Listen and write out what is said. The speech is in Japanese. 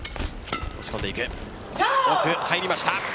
奥、入りました。